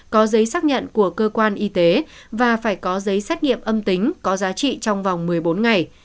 có giấy xác nhận của cơ quan y tế và phải có giấy xét nghiệm âm tính có giá trị trong vòng một mươi bốn ngày